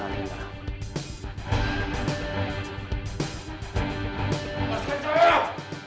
kemampuan karina mengalir di dalam darah alina